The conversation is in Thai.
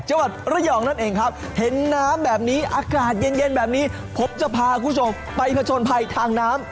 จังหวัดระยองนั่นเองครับเห็นน้ำแบบนี้อากาศเย็นเย็นแบบนี้ผมจะพาคุณผู้ชมไปผจญภัยทางน้ำ